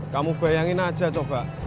kamu bayangin aja coba